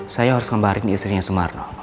saya harus kembarin di istrinya sumarno